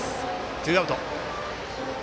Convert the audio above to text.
ツーアウト。